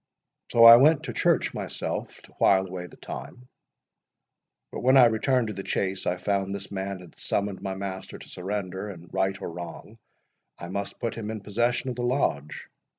'—So I went to church myself, to while away the time; but when I returned to the Chase, I found this man had summoned my master to surrender, and, right or wrong, I must put him in possession of the Lodge.